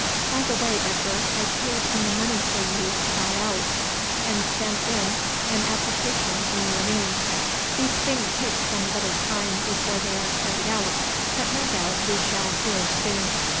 By the way, Edgar, I paid in the money for you to buy out, and sent in an application in your name. These things take some little time before they are carried out, but no doubt we shall soon hear.